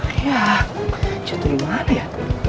ayah jatuh dimana ya